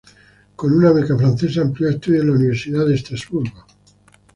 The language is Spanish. Con una beca francesa amplió estudios en la Universidad de Estrasburgo.